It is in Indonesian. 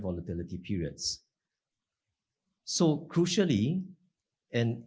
dalam waktu periode kegagalan tinggi